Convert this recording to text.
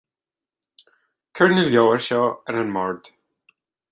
Cuir na leabhair seo ar an mbord